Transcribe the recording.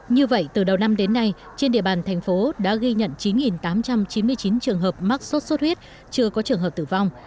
như vậy từ đầu năm đến nay trên địa bàn thành phố đã ghi nhận chín tám trăm chín mươi chín trường hợp mắc sốt xuất huyết chưa có trường hợp tử vong